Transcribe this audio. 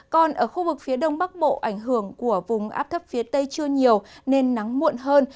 còn ở khu vực phía đông bắc bộ ảnh hưởng của vùng áp thấp phía tây chưa nhiều nên nắng muộn hơn